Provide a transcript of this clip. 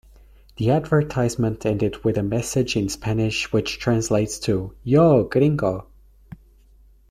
The advertisement ended with a message in Spanish which translates to "Yo, gringo!